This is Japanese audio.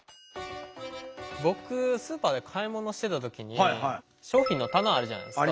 僕スーパーで買い物してた時に商品の棚あるじゃないですか。